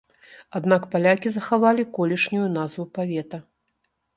Аднак палякі захавалі колішнюю назву павета.